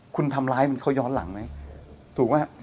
คุณทำร้ายมันเขาย้อนหลังไหมถูกไหม